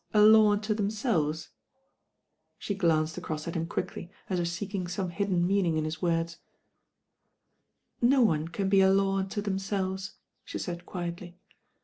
» 17f THE BAIN GIRL She financed acroM »t him quickly, as if teeking •ome hidden meaning in his words. "No one can be a law unto themselves," she said quietly.